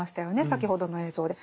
先ほどの映像で。